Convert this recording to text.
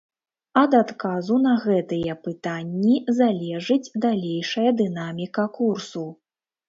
Ад адказу на гэтыя пытанні залежыць далейшая дынаміка курсу.